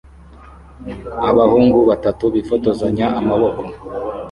Abahungu batatu bifotozanya amaboko